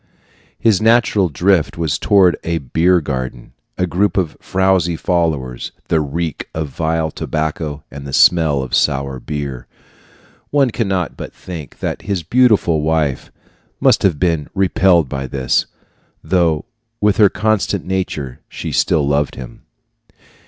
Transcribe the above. His natural drift was toward a beer garden, a group of frowsy followers, the reek of vile tobacco, and the smell of sour beer. One cannot but think that his beautiful wife must have been repelled by this, though with her constant nature she still loved him.